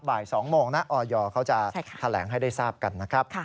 บ่าย๒โมงนะออยเขาจะแถลงให้ได้ทราบกันนะครับ